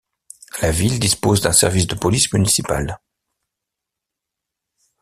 La ville dispose d'un service de police municipale.